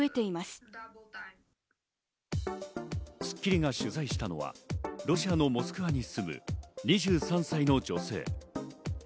『スッキリ』が取材したのはロシアのモスクワに住む２３歳の女性。